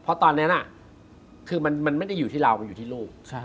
เพราะตอนนั้นคือมันไม่ได้อยู่ที่เรามันอยู่ที่ลูก